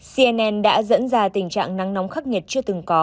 cnn đã dẫn ra tình trạng nắng nóng khắc nghiệt chưa từng có